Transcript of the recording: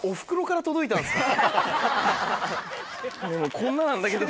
こんななんだけど。